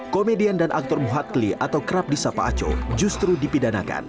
komedian dan aktor muhatli atau krap di sapa aco justru dipidanakan